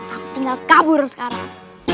aku tinggal kabur sekarang